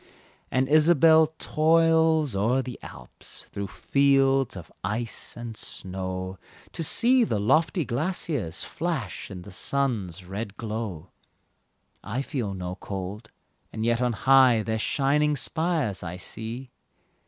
And Isabelle toils o'er the Alps, Through fields of ice and snow, To see the lofty glaciers Flash in the sun's red glow. I feel no cold, and yet on high Their shining spires I see.